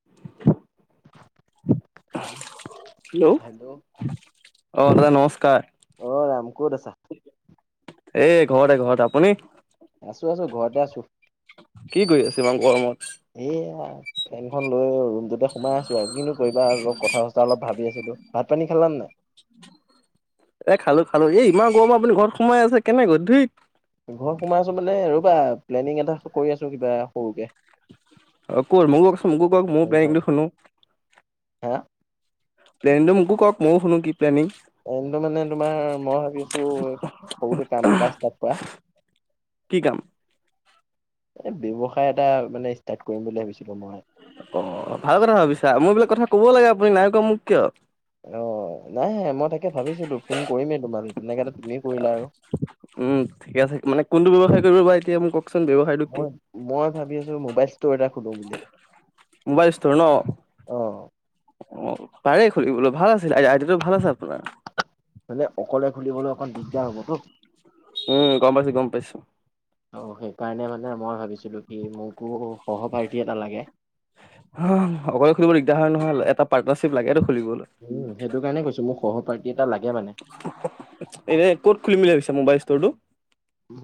[unintelligible] [unintelligible] Hello অহ, দাদা নমস্কাৰ। অ ৰাম ক'ত আছা? এই ঘৰতে-ঘৰতে। আপুনি? আছোঁ-আছোঁ ঘৰতে আছোঁ। কি কৰি আছে ইমান গৰমত? এইয়া ফেনখন লৈ আৰু ভিতৰতে সোমাই আছোঁ আৰু কিনো কৰিবা অলপ কথা-চচা অলপ ভাবি আছিলোঁ। ভাত পানী খেলানে নাই? উ [inaudible] এ খালোঁ খালোঁ, এ ইমান গৰমত আপুনি ঘৰত সোমাই আছে কেনেকৈ ধুইত। ঘৰত সোমাই আছোঁ মানে ৰবা, প্লেনিং এটা কৰি আছো কিবা সৰুকে। অঁ' ক'ত মোকো কওঁক চোন মোকো কওঁক মোৰ পলে ইংলি [inaudible] শুনো হা প্লেনটো মোকো কওঁক ময়ো শুনো, কি প্লেনিং? অনটো মানে তোমাৰ, মই ভাবিছোঁ সৰুকে কাম এটা ষ্টাৰ্ট কৰা। কি কাম? এ ব্যৱসায় এটা, মানে ষ্টাৰ্ট কৰিম বুলি ভাবিছিলো মই। অ', ভাল কথা ভাবিছা মোক এইবিলাক কথা ক'ব লাগে, আপুনি নাই কোৱা মোক কিয়? অঁ, নাই মই তাকে ভাবিছোঁ ফোন কৰিমেই তোমাক তেনেকৈ, তুমিও কৰিলা আৰু। উম, ঠিকে আছে মানে কোনটো ব্যৱসায় কৰিবা বা এতিয়া মোক কওঁক। দেৱ হয় [inaudible] মই মই ভাবি আছোঁ মোবাইল ষ্ট'ৰ এটা খোলোঁ বুলি। মোবাইল ষ্টৰ ন অঁ', অ', পাৰে খুলিব'লে ভাল আছিল আইডিয়াটো ভাল আছে আপোনাৰ। মানে, অকলে খুলিবলৈ অকণ দিগদাৰ হ'বতো উম, গম পাইছোঁ গম পাইছোঁ। আৰু সেইকাৰণে মানে মই ভাবিছিলোঁ কি, মোকো সহপাৰ্থী এটা লাগে। অ', অকলে খুলিব দিগদাৰ হয় নহয় এটা পাৰ্টনাৰশ্বিপ লাগেটো খুলিবলৈ। উম, সেইটো কাৰণে কৈছো মোক সহ পাৰ্টি এটা লাগে মানে। এনে ক'ত খুলিম বুলি ভাবিছাঁ মোবাইল ষ্টৰটো?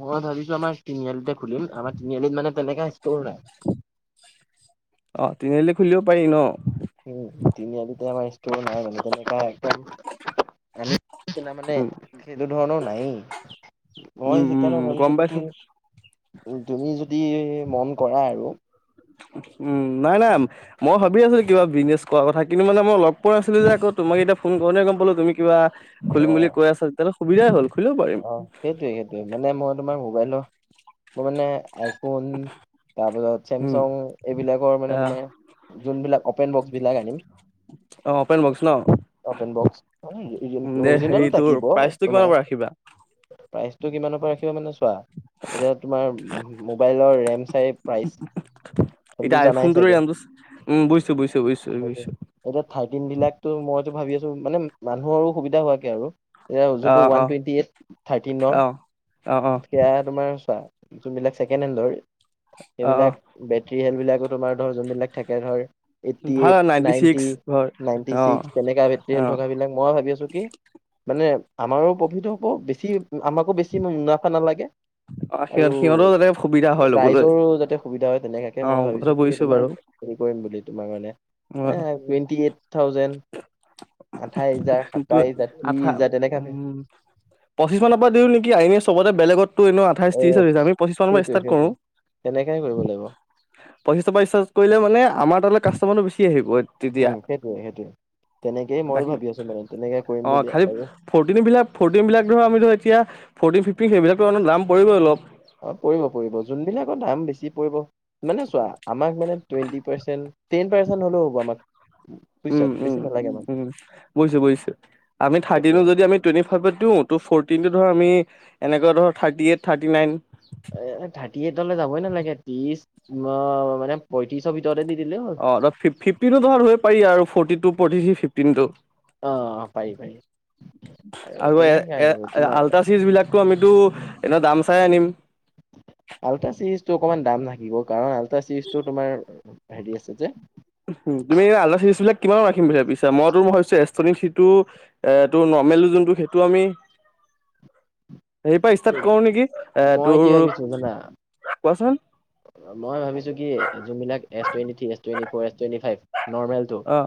মই ভাবিছোঁ আমাৰ তিনিআলিতে খুলিম, আমাৰ তিনিআলিত মানে তেনেকা ষ্ট'ৰ নাই। অঁ, তিনিআলিত খুলিব পাৰি ন'। উম, নি [inaudible] আজিতে আমাৰ ষ্টু [inaudible] নাই মানে তেনে কাই না মানে উম, সেইটো ধৰণৰ নাইয়ে। মই উম, সেইকাৰণে উম, গম ভাবিছিলোঁ পাইছো। কি, তুমি যদি মন কৰা আৰু। উম, নাই নাই মই ভাবি আছিলো কিবা বিজনেছ কৰা কথা কিন্তু, মানে মই লগ পোৱা নাছিলোঁ যে তোমাক এতিয়া ফোন কৰোঁতেহে গম পালোঁ তুমি কিবা খুলিম বুলি অ', কৈ আছে তেতিাহলে [inaudible] সুবিধাই হ'ল খুলিবও পাৰ অ', সেইটোৱে সেইটোৱে মানে মই তোমাৰ মোবাইলৰ মোৰ মানে আইফোন, তাৰপাছত উম, চেমচাং এইবিলাকৰ মানে আহ তোমাৰ যোনবিলাক অপেন বক্স বিলাক আনিম অ', অপেন বক্স ন? অপেন বক্স উম, দে হেৰি অৰিজিনেলো তোৰ থাকিব প্ৰাইচটো কিমানৰ তোমাৰ পৰা ৰাখিবা? প্ৰাইজ টো কিমানৰ পৰা? ক মানে চোৱা এতিয়া তোমাৰ মোবাইলৰ ৰেম চাই প্ৰাইজ এতিয়া আই ফোন দৰে যাম [inaudible] উম, বুজিছোঁ বুজিছোঁ বুজিছোঁ এতিয়া ঠাইটিন বিলাকটো মইটো ভাবি আছোঁ মানে মানুহৰো সুবিধা হোৱাকে আৰু। এয়া যোনটো অ' ওৱান অ' টুৱেণ্টি এইট থাৰ্টিনৰ অ'। অ' অ' সেয়া তোমাৰ চোৱা যোনবিলাক ছেকেণ্ড হেণ্ড লৰ অ' অ' সেইবিলাক বেটেৰী হেলবিলাকো তোমাৰ ধৰ যোনবিলাক থাকে ধৰ এইটটি ভাল এইট নাইনটি ছিক্স ঘৰ নাইনটি [inaudible] অ'। ছিক্স তেনেকা বেট হল অ'। থকা বিলাক মই ভাবি আছোঁ, কি মানে আমাৰো প্ৰফিত হ'ব বেছি আমাকো বেছি মুনাফা নালাগে অঁ, আৰু সিহঁত সিহঁতো যাতে সুবিধা হয় ল'বলৈ ৰাইজৰো যাতে সুবিধা হয়, তেনেকুৱাকে অ মই কথাটো ভাবিছোঁ, কি বুজিছো তোমাৰ বাৰু হেৰিম বুলি তোমাৰ মানে এ টোৱেনটি এইট থাউজেনট তোৰ হাজাৰ ত্ৰিশ আথা হাজাৰ তেনেকা উম [inaudible] পঁচিশ মানৰ পৰা দিওঁ নেকিইনে [inaudible] চবতে বেলেগত এনেই আঠাইছ অ ত্ৰিশি, আমি পঁচিশ মান ম সেইটোৱে ষ্টাৰ্ট কৰো সেইটোৱে তেনেকাই কৰিব লাগিব পইচা চাৰ্ কৰিলে মানেমাৰ তাল কাষ্টমাৰটো বেছি আহিব। তেতিয়া উম, সেইটোৱে সেইটোৱে তেনেকেই ময়ো ভাবি আছো মানে তেনেকে কৰিম বুলি আৰু। ফ'ৰটিনবিলাক ফ'ৰটিনবিলাক ধৰ আমি ধৰ এতিয়া ফৰ্টিন ফিফটিন সেইবিলাকটো [unintelligible] দাম পৰিবই অলপ। পৰিব পৰিব যোনবিলাকৰ দাম বেছি পৰিব মানে চোৱা আমাক মানে টুৱেণ্টি পাৰ্চেণ্ট টেন পাৰ্চেণ্ট হ'লেও হ'ব আমাক। বুজিছা উম, উম, বেছি নালাগে আমাক উম, বুজিছো বুজিছো আমি থাৰ্টিনো সেইটোৱে যদি আমি টুৱেন্টি ফাইভত দিও ত' ফৰ্তিনটো ধৰ আমি এনেকে ধৰ thirty eight thirty nine thirty এইটলে যাবই নালাগে ত্ৰিশ মানে পইটিৰিছৰ ভিতৰতে দি দিলে হ'ল। অ', ফিফটিনো ধৰা ধৰিব পাৰি আৰু ফৰ্টি টো ফৰ্তি থ্ৰী ফিফটিন টো। অ পাৰি পাৰি আৰু এ তেনেকে আৰু এ তোমাৰ আল্টা চিৰিজ বিলাক টো আমিতো এনেও দাম চাই আনিম। আল্ট্ৰা চিৰিজটো অকমান দাম থাকিব কাৰণ আল্ট্ৰা চিৰিজটো তোমাৰ হেৰি আছে যে তুমি আল্ট্ৰা চিৰিজ বিলাক কিমানত ৰাখিম বুলি ভাবিছা মইতো মই ভাবিছোঁ এছ টুৱেন্টি থ্ৰী টো এ টো নৰ্মেল যোনটো সেইটো আমি হেৰী পা ষ্টাৰ্ট কৰো নেকি এ মই কি ভাবিছো জানা তোৰ কোৱাচোন। মই ভাবিছো কি যোনবিলাক as twenty three as twenty four as twenty five normal টো অ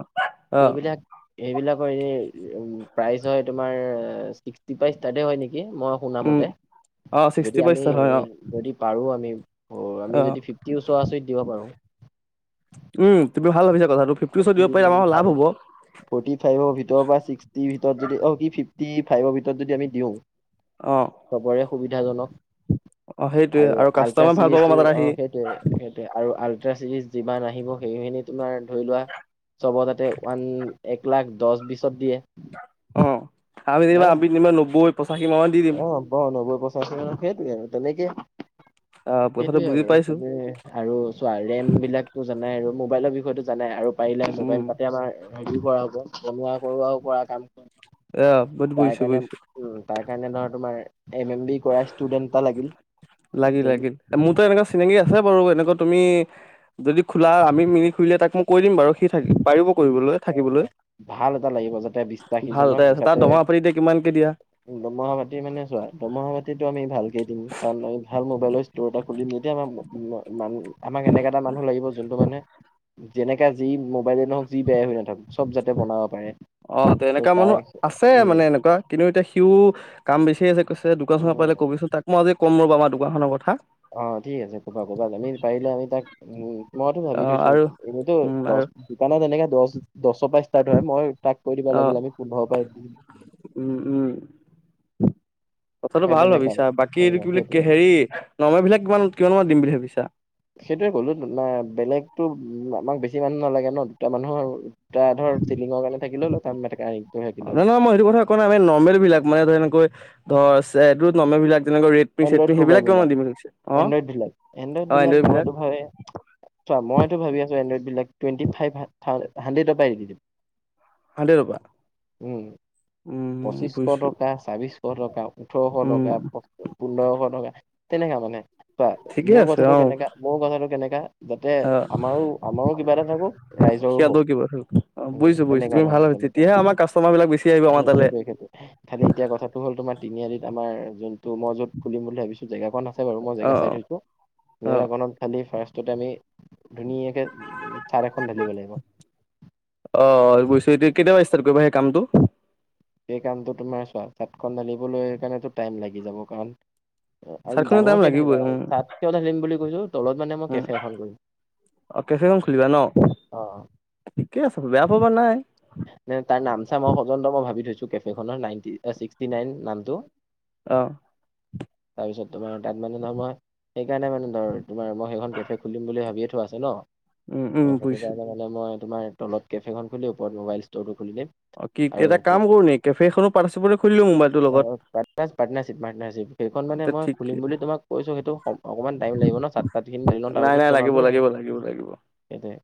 অ সেইবিলাক সেইবিলাকৰ এনে প্ৰাইচ হয় তোমাৰ ছিক্সটি পা ষ্টাৰ্ত্তে হয় নেকি মই শুনা উম মতে অ যদি ছিক্সটি পৰা আমি ষ্টাৰ্ট হয় অ যদি পাৰোঁ আমি আমি অ যদি ফিফটিৰ ওচৰ ওচৰিত দিব পাৰোঁ। উম, তুমি ভাল ভাবিছ কথাটো ফিফট ওচৰত ফৰ্টি দিব পৰিলে আমাৰ ফাইভ লাভ হ'ব। ফৰ্টি ফাইভৰ ভিতৰত বা ছিক্সটিৰ ভিতৰত যদি অ', কি ফিফটি ফাইভৰ ভিতৰত যদি আমি দিওঁ। অ'। চবৰে সুবিধাজনক অ সেইটোৱে আৰু আল্ট্ৰা কাষ্টমাৰ ভাল পাব চিৰিজটো মাজত আহি অ', সেইটোৱে। সেইটোৱে আৰু আল্ট্ৰা চিৰিজ যিমান আহিব সেইখিনি তোমাৰ ধৰি লোৱা চব তাতে ওৱান এক লাখ দহ বিছত দিয়ে। অ', আমি ন যেনিবা আমি যেনিবা নব্বৈ পঁচাশী মানত দিম। অ', ব নব্বৈ পচাশি সেইটোৱে আৰু তেনেকে আহ কথাটো সেইটোৱে বুজি আৰু পাইছো তাতে আৰু চোৱা ৰেম বিলাকটো জানাই আৰু মোবাইলৰ বিষয়তো জানাই আৰু পাৰিলে উম মোবাইল তাতে আমাৰ হেৰীও কৰা হ'ব বনোৱা কৰোৱাও কৰা কাম। অ', তাৰ বুইছো কাৰণে বুইছো। উম, তাৰ কাৰণে ধৰা তোমাৰ এম এম বি কৰা ষ্টুডেন্ট এটা লাগিল। লাগি যোন লাগিল। মোৰতো এনেকুৱা চিনাকি আছে বাৰু এনেকুৱা তুমি যদি খোলা আমি মিলি খুলিলে তাক মোক কৈ দিম বাৰু সি থাকি পাৰিব কৰিবলৈ থাকিবলৈ। ভাল এটা লাগিব যাতে ভাল বিশ্বাসীজনক তাই আছে তাত যাতে দৰমহা আপুনি এতিয়া কিমানকে দিয়া? দৰমহা পাতি মানে চোৱা দৰমহা পাতিটো আমি ভালকে দিম কাৰণ আমি ভাল মোবাইলৰ ষ্টৰ এটা খুলিম যেতিয়া আমাৰ মান আমাক এনেকা এটা মানুহ লাগিব যোনটো মানুহে যেনেকা যি মোবাইলে নহওক যি বেয়াই হৈ নাথাকোক। যাতে বনাব পাৰে। অ', তেনেকুৱা তাৰ মানুহ আছে উম মানে এনেকুৱা কিন্তু এতিয়া সিও কাম বিচাৰি আছে কৈছে দোকান উম, চোকান পালে কবিচোন তাক মই আজি কম ৰবা আমাৰ দোকানখনৰ কথা। অ', ঠিক আছে ক'বা ক'বা আমি পাৰিলে আমি তাক উম, মইতো অ ভাবি থৈছো আৰু এনেটো উম দহ আৰু দোকানত এনেকৈ দহ দহৰ পৰা ষ্টাৰ্ট হয় মই তাক কৈ দিবা অ লাগিলে আমি পোন্ধৰ পৰা উম, উম, কথাটো সেই ভাল তেনেকা ভাবিছা বাকী এইটো অ' কি বুলি কে সেইটোয়ে হেৰি নময় বিলাক কিমান, কিমান মান দিম বুলি ভাবিছাঁ। সেইটোয়ে ক'লো, বেলেগতো আমাক বেছি মানুহ নালাগে ন, দুটা মানুহ ত ধৰ চিলিঙৰ কাৰণে থাকিলোঁ, তটো থাকিলোঁ। নহয় মই সেইটো কথা- আমি নৰ্মেল বিলাক, মানে ধৰ এনেকৈ ধৰোঁ, নৰ্মেল বিলাক তেনেক ৰে- এনড্ৰইড মোবাইল বিলাক, এনড্ৰইড বিলাক। এনড্ৰইড বিলাক মইটো ভাবে চোৱা, মইটো ভাবি আছোঁ, এনড্ৰইডবিলাক টুৱেন্টি ফাইভ হাণ্ডেড্ৰৰ পৰা দি দিম। হাণ্ড্ৰেড টকা উম্, উম পঁচিছশ বুজিছো টকা। ছাব্বিশ টকা, ওঠৰশ টকা, উম পোন্ধৰশ টকাধ, তেনেকা মানে। কোৱা ঠিকে মোৰ আছে কথাতটো অ কেনেকা, মোৰ কথাটো কেনেকা। যাতে অ আমাৰো, আমাৰো কিবা এটা থাকিব। ৰাইজৰো হওঁক, সিহঁতৰ কিবা অ বুজিছো বুজিছো তেনেকা তুমি ভাল ধৰণৰ হ'ল, তেনেকা তেতিয়াহে আমাৰ কাষ্টমাৰ বিলাক বেছি আহিব আমাৰ উম তালে। সেইটোৱে সেইটোৱে খালি এতিয়া কথাটো হ'ল, তোমাৰ তিনিআলিত আমাৰ যোনটো, মই য'ত খুলিম বুলি ভাবিছোঁ, জেগাখন আছে- বাৰু মই অ জেগা চাই থৈছোঁ। অ জেগাখনত খালি ফাষ্টতে আমি ধুনীয়াকে চাৰ্ট এখন ঢালিব লাগিব। অ', গৈছোঁ, এতিয়া কেতিয়াপা ষ্টাৰ্ট কৰিবা সেই কামটো। সেই কামটো তোমাৰ চোৱা, চাতখন ঢালিবলৈ কাৰণেতো টাইম লাগি যাব। কাৰণ- চাৰ্টখনৰ টাইম ডাঙৰকে লাগিবই ঢালি উম চাত কিয় ঢালিম বুলি কৈছোঁ। তলত মানে মই উম কেফে এখন দিম। অ', কেফেখন খুলিবা ন? অ ঠিকে আছে বেয়া ভবা নাই। তাৰ নাম চাম পযন্ত মই ভাবি থৈছোঁ। কেফেখনৰ নাইনতি, চিক্সতি নাইন নামটো। অ', তাৰপিছত তোমাৰ - সেইকাৰণে মানে ধৰ, তোমাৰ মই সেইখন কেফে খুলিম বুলি ভাবিয়ে থোৱা আছে ন। উম উম অ', সেইটো বুজিছো কাৰণে মই তোমাৰ তলত কেফেখন খুলি ওপৰত মোবাইল ষ্টৰটো খুলি দিম। অ', কি! আৰু এটা কাম কৰো নি কেফেখনো খুলি লওঁ, মোবাইলটোৰ লগত। পাটনাৰ পাৰ্টনাৰশ্বিপ, পাৰ্টনাৰশ্বিপ। সেইখন মানে মই ঠিক খুলিম বুলি তোমাক কৈছোঁ। সেইটো - অ', অকমান টাইম লাগিব ন, চাত তাত খিনি দি লওঁ, তাৰ নাই নাই পিছত লাগিব, জনালোঁ, লাগিব, লাগিব। এতিয়া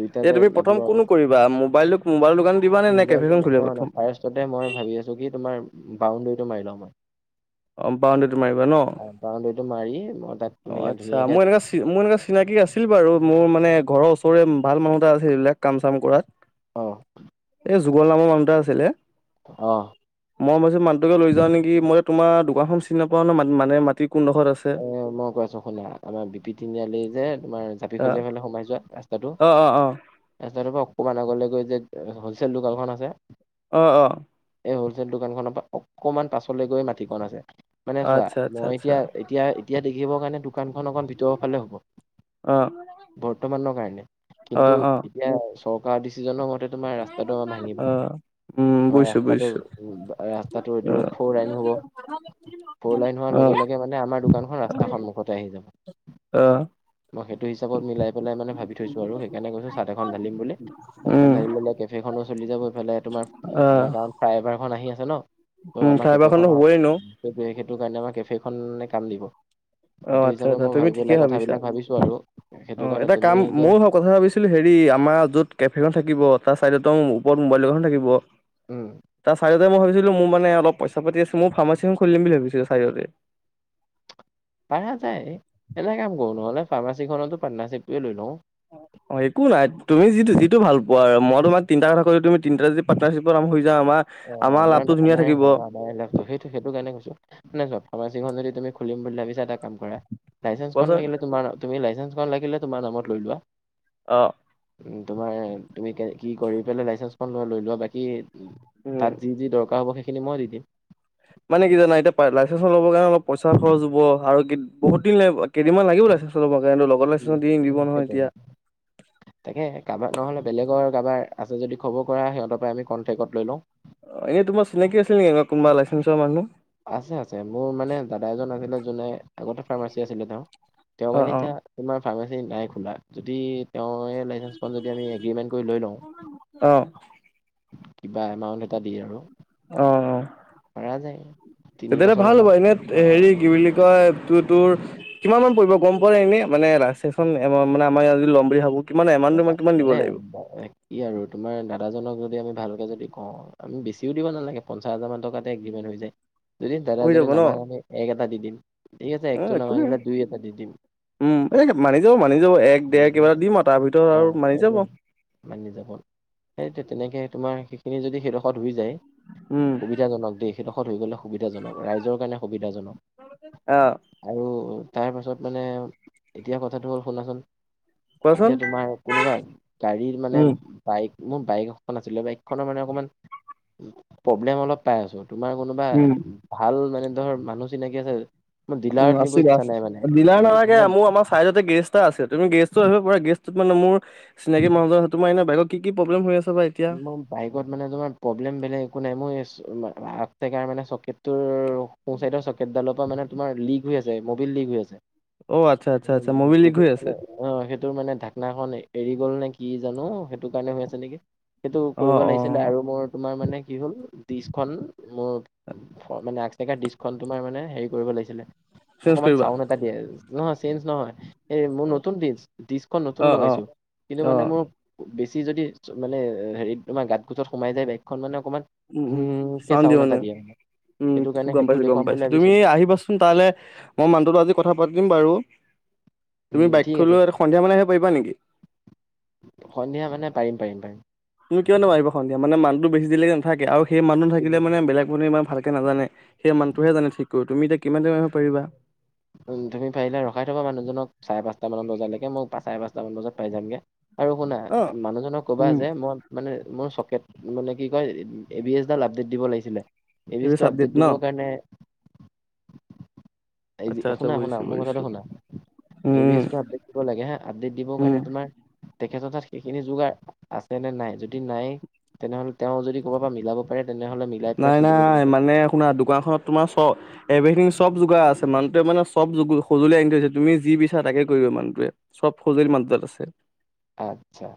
দুইটাতে লাগিব আৰু - বা মোবাইলোক মোবাইল দোকান দিবানে? নে কেফেখন খুলিবা প্ৰথম? পিছতে মই ভাবি আছোঁ কি, তোমাৰ বাউণ্ডেৰীটো মাৰি লওঁ মই। অ', বাউণ্ডেৰিটো মাৰিবা ন? বাউণ্ডেৰীটো মাৰি মই তাত - অ'আচ্ছা, মই এনেচি - মই এনেচি - চিনাকি আছিল বাৰু, মোৰ মানে ঘৰ ওচৰে ভাল মানুহ এটা আছিল কাম চাম কৰা। অ', এই যুগল নামৰ মানুহ এটা আছিলে। অ', মই ভাবিছোঁ মানুহটোকে লৈ যাওঁ নেকি? মই তোমাৰ দোকানখন চিনি নাপাওঁ ন, মানে মাটি কোন ডোখৰত আছে। অ', কৈ আছোঁ শুনা, আমাৰ বি পি তিনিআলি যে তোমাৰ - জাপি অ সজিয়া ফালে সোমাই যোৱা ৰাস্তাটো অ অ - ৰাস্তা টো পৰা অকণমান আগলৈ গৈ যে, হলচেল দোকানখন আছে। অ', অ',। এই হলচেল দোকান খনৰ পৰা অকমান পাছলৈ গৈ মাটিকণ আছে। মানে চোৱা আচ্ছা আচ্ছা মই আচ্ছা এতিয়া - এতিয়া, এতিয়া দেখিবৰ কাৰণে দোকানখন অকণ ভিতৰৰ ফালে অ হ'ব। বৰ্তমানৰ কাৰণে - অ কিন্তু অ এতিয়া চৰকাৰ ডিচিচনৰ মতে, তোমাৰ ৰাস্তাটো আমাৰ ভাঙিব। অ উম আমাৰ বুজিছো ৰাস্তাটো, বুজিছো ৰাস্তাটো এইটো অ ফৰ লাইন হ'ব। ফৌৰ লাইন হোৱাৰ অ লগে লগে মানে আমাৰ দোকানখন, ৰাস্তাৰ সন্মুখতে আহি যাব। অ মই সেইটো হিচাপত মিলাই পেলাই মানে ভাবি থৈছোঁ আৰু সেইকাৰণে কৈছোঁ, চাট এখন দিম বুলি। চত খন উম ঢালি ললে কেফেখনো চলি যাব ইফালে তোমাৰ অ আমাৰ গাঁৱত ফ্লাই অভাৰখন আহি আছে ন'। ত' উম, আমাৰ ফ্লয়োঅভাৰ খনটো কেফেখনৰ হবই এনেও। সেইটোৱে সেইটো কাৰণে আমাৰ কেফেখনে কাম দিব। অ' সেইটো আচ্ছা হিচাপে আচ্ছা মই তুমি ভাবি ঠিকে পেলাই ভাবিছা। কথাবিলাক ভাবিছো আৰু সেইটো অ' কাৰণে এটা কাম তুমি এতিয়া ময়ো ভাব কথা ভাবিছিলোঁ হেৰি আমাৰ য'ত কেফেখন থাকিব তাৰ ছাইডতো ওপৰত মোবাইল দোকানখন থাকিব। উম তাৰ চাইদতে মই ভাবিছিলো মোৰ মানে অলপ পইচা পাতি আছে মোৰ ফাৰ্মাচী এখন খুলিম বুলি দিম ভাবিছিলো চাইদতে। পাৰা যাই। এনে কাম কৰোঁ নহ'লে। ফাৰ্মাচীখনতো পাটনাশ্বিপটোৱে লৈ লওঁ। [unintelligible] একো নাই তুমি যিটো যিটো ভাল পোৱা আৰু মই তোমাক তিনিটা কথা কলো তুমি তিনিটা যদি পাটনাৰশ্বিপট হৈ যাওঁ আমাৰ অ, আমাৰ লাভটো আমাৰে ধুনীয়া আমাৰে থাকিব ভাল ন' [unintelligible] সেইটো সেইটো কাৰণে কৈছো মানে চোৱা ফাৰ্মাচীখন যদি তুমি খুলিম বুলি ভাবিছাএটা কাম কৰা লাইচেন্সখন কোৱাচোন লাগিলে তোমাৰ তুমি লাইচেন্সখন লাগিলে তোমাৰ নামত লৈ লোৱা। অঁ'। উম, তোমাৰ তুমি কি কৰি পেলাই লাইচেঞ্চ খন লোৱা লৈ লোৱা বাকি উম। তাত যি যি দৰকাৰ হ'ব সেইখিনি মই দিম। মানে কি জানা এতিয়া লাইচেঞ্চখন লব কাৰণে অলপ পইচা খৰচ হ'ব আৰু বহুত দিন লাগিব কেইদিনমান লাগিব লাইচেঞ্চ খন লব লগত লাইচেঞ্চ উম, খনটো দি নিদিব নহয় সেইটোৱে এতিয়া। সেইটোৱে। তাকে কাৰোবাৰ নহ'লে বেলেগৰ কাৰাবাৰ আছে যদি খবৰ কৰা সিহতৰ পৰা আমি কনটেক্টত লৈ লওঁ। এনেই তোমাৰ চিনাকি আছিল নেকি কোনোবা লাইচেঞ্চৰ মানুহ। আছে আছে মোৰ মানে দাদা এজন আছিলে যোনে আগতে ফাৰ্মাচী আছিলে তেওঁৰ তেওঁ অ', মানে অ', এতিয়া তোমাৰ ফাৰ্মাচী নাই খোলা যদি তেওঁৰে লাইচেন্ঞ্চখন যদি আমি এগ্ৰীমেণ্ট কৰি লৈ লওঁ। অ', কিবা এমাউন্ট এটা দি আৰু। অ', অ', পৰা যায় তিনি তেতিয় হলে বছৰ ভাল হ'ব মানত এনে অ হেৰি কি বুলি কয় তো তোৰ কিমান মান পৰিব গম পোৱা এনে মানে লাইচেঞ্চ খন মানে আমাৰ ইয়াত যদি ল'ম বুলি ভাবো। কিমান ন- এমাউণ্টটো তোমাক ন- কিমান দিব লাগিব? [unintelligible] কি আৰু তোমাৰ দাদাজনক যদি আমি ভালকে যদি কওঁ আমি বেছিও দিব নালাগে পঞ্চাছ হাজাৰ মান টকাতে এগ্ৰিমেন্ট হৈ যায়। যদি দাদা হৈ জনে যাব ন? নামানে আমি এক এটা দি দিম ঠিক আছে অ', একটো একো নাই। নামানিলে দুই এটা দি দিম। উম, এই মানি যাব মানি যাব এক দেৰ কিবা এটা দিম আৰু তাৰ ভিতৰত অ আৰু মানি সেইটোৱে যাব। মানি যাব সেইটোৱে তেনেকে তোমাৰ সেইখিনি যদি সেইডোখৰত হৈ যায়। উম, সুবিধাজনক দেই সেইডোখৰত হৈ গ'লে সুবিধাজনক ৰাইজৰ কাৰণে সুবিধাজনক। অ'। আৰু তাৰ পাছত মানে এতিয়া কথাটো হ'ল শুনাচোন কোৱাচোন এতিয়া তোমাৰ কোনোবা গাড়ী মানে উম, বাইক মোৰ বাইক এখন আছিলে বাইকখনৰ মানে অকণমান প্ৰব্লেম অলপ পাই আছোঁ। তোমাৰ কোনোবা উম। ভাল মানে ধৰ মানুহ চিনাকি আছে? মোৰ উম, ডিলাৰত নিব আছিলে ইচ্ছা আছিল নাই মানে দীলাৰ এ নালাগে মানে মোৰ আমাৰ চাইদতে গেৰেজ এটা আছে তুমি গেৰেজটো আহিব পাৰা গেৰেজটোত মানে মোৰ চিনাকি মানুহ জন আছে তোমাৰ এনে বাইত কি কি প্ৰব্লেম হৈ আছে বা এতিয়া [unintelligible] বাইকত মানে তোমাৰ প্ৰব্লেম বেলেগ একো নাই মোৰ এই আগচকাৰ মানে চকেটটোৰ সো চাইডৰ চকেটডালৰ পৰা মানে তোমাৰ লিক হৈ আছে মবিল লিক হৈ আছে। অ', আচছা আচ্ছা উম, আচ্ছা মবিল লিক সেইটো হৈ আছে? মানে অ', সেইটোৰ মানে ঢাকনাখন এৰি গ'ল নে কি জানো সেইটো কাৰণে হৈ আছে নেকি। সেইটো কৰিব অ', অ' লাগিছিলে আৰু মোৰ তোমাৰ মানে কি হ'ল ডিছখন মোৰ খন মানে আগচকাৰ দিছখন তোমাৰ মানে হেৰি কৰিব লাগিছিলে চেঞ্জ অকনমান কৰিবা চাওণ্ড দিয়ে [inaudible] নহয় চেঞ্জ নহয়। এই মোৰ নতুন ডিচ, ডিচখন নতুন অ', অ', লগাইছোঁ কিন্তু, মানে অ' মোৰ বেছি যদি মানে, হেৰিত তোমাৰ গাত কোছত সোমাই যায় বাইকখন মানে অকণমান উম উম, চাউণ্ড দিয়ে মানে উম সেইটো কাৰণে গম সেইটো পাইছোঁ, গম দেখুৱাম বুলি পাইছোঁ, তুমি ভাবিছিলো আহিবাচোঁন। তালে মই মানহটোৰ লগত আজি কথা পাতিম বাৰু, তুমি উম ঠিক বাইকখন আছে লৈ সন্ধিয়ামানে আহিব পাৰিবা নেকি? সন্ধিয়া মানে পাৰিম পাৰিম পাৰিম। তুমি কিয় নোৱাৰিবা সন্ধ্যা, মানে মানুহটো বেছি দেৰিলৈকে নাথাকে, আৰু সেই মানুহটো থাকিলে পাৰিম। মানে বেলেগ কোনেও ইমান ভালকে নাজানে সেই মানুহটোৱেহে জানে ঠিক কৰিব, তুমি এতিয়া কিমান টাইমত আহিব পাৰিবা। উম, তুমি পাৰিলে ৰখাই থবা মানুহজনক চাৰে পাঁচটা মান বজালৈকে মই চাৰে পাঁচটা মান বজাত পাই যামগে, আৰু শুনা অ'। মানুহজনক কবা উম, যে মই মানে মোৰ চকেট মানে কি কয়, এ বিএছ ডাল আপডেট দিব লাগিছিলে। এইবোৰ এবিএছটো চাবজেক্ট আপডেট ন? দিবৰ কাৰণে এই আচ্ছা আচ্ছা শুনা শুনা, বুজিছো মোৰ বুজিছো। কথাটো শুনা, উম, এবিএছটো আপডেট দিব লাগে হা, আপডেট দিবৰ উম, কাৰণে তোমাৰ তেখেতৰ তাত সেইখিনি যোগাৰ আছে নে নাই? যদি নাই তেনেহ'লে তেওঁ যদি ক'ৰবাৰ পৰা মিলাব পাৰে, তেনেহ'লে মি নাই নাই, মানে শুনা দোকানখনত তোমাৰ চ এভৰিথিং চব যোগাৰ আছে, মানহটোৱে মানে চব যোগ সঁজুলি আনি থৈছে, তুমি যি বিচাৰা তাকে কৰিব মানুহটোৱে, চব সজুলি মাত্ৰাত আছে। আচ্ছা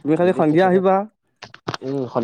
তুমি খালি যদি সন্ধিয়া তেখেতে আহিবা। উ